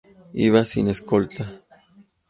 Iba sin escolta.